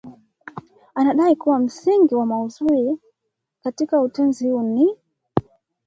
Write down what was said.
Anadai kuwa msingi wa maudhui katika utenzi huu ni